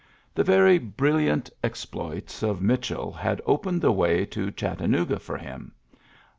The very brilliant ploits of Mitchell had opened the wa; Chattanooga for him.